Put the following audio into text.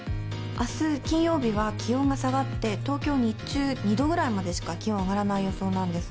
あす金曜日は気温が下がって、東京、日中２度ぐらいまでしか気温、上がらない予想なんです。